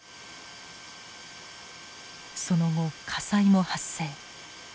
その後火災も発生。